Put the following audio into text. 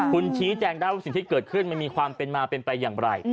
คุณชี้แจงได้ว่าสิ่งที่เกิดขึ้นมันมีความเป็นมาเป็นไปอย่างไร